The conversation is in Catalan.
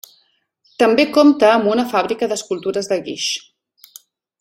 També compta amb una fàbrica d'escultures de guix.